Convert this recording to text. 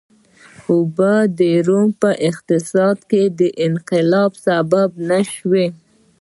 اوبه د روم په اقتصاد کې د انقلاب سبب نه شوې.